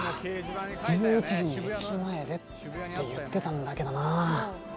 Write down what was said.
１１時に駅前でって言ってたんだけどな。